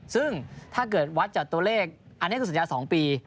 ซึ่งถ้าเกิดวัดจากตัวเลขอันนี้คือสัญญา๒ปี